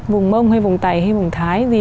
vùng mông hay vùng tày hay vùng thái gì